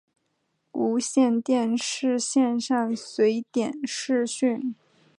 无线电视线上随点视讯